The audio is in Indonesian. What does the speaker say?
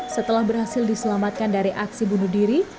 setelah berhasil diselamatkan dari aksi bunuh diri